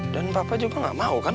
dan papa juga nggak mau kan